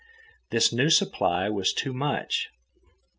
This new supply was too much.